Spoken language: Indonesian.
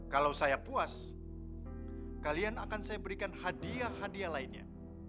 kalau saya puas kalian akan saya berikan hadiah hadiah lainnya